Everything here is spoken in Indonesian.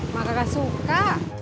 mak kagak suka